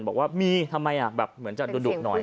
บอกว่ามีทำไมแบบเหมือนจะดุหน่อย